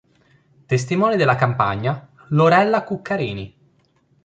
Testimone della campagna, Lorella Cuccarini.